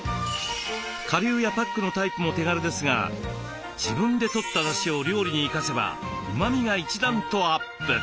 顆粒やパックのタイプも手軽ですが自分でとっただしを料理に生かせばうまみが一段とアップ。